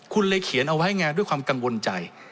คุณเลยเขียนเอาไว้ไงด้วยความกังวลใจ